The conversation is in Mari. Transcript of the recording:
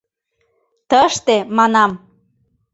— Тыште, - манам...